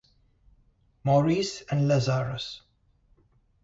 Maurice and Lazarus.